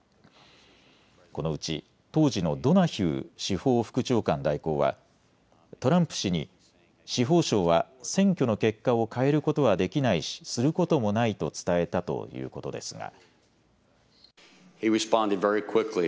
このうち当時のドナヒュー司法副長官代行はトランプ氏に、司法省は選挙の結果を変えることはできないし、することもないと伝えたということですが。